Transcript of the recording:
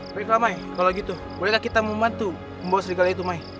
beritahu mai kalau gitu bolehkah kita membantu membawa serigala itu mai